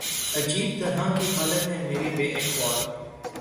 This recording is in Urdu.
عجیب طرح کی حالت ہے میری بے احوال